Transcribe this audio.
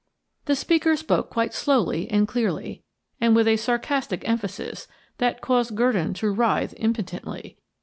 The speaker spoke quite slowly and clearly, and with a sarcastic emphasis that caused Gurdon to writhe impotently.